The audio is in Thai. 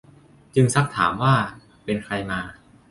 จึงซักถามว่าเป็นใครมา